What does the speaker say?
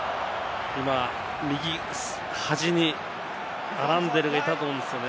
今、右端にアランデルがいたと思うんですよね。